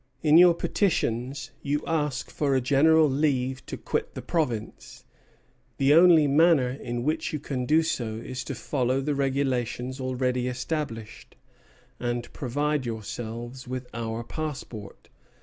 In your petitions you ask for a general leave to quit the province. The only manner in which you can do so is to follow the regulations already established, and provide yourselves with our passport.